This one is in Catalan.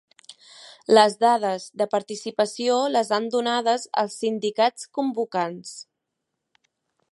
Les dades de participació les han donades els sindicats convocants